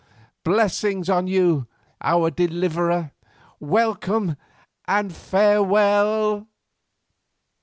Blessings on you, our deliverer, welcome and farewell!"